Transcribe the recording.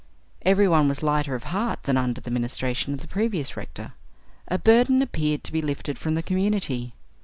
Every one was lighter of heart than under the ministration of the previous rector. A burden appeared to be lifted from the community.